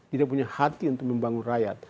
tidak punya hati untuk membangun rakyat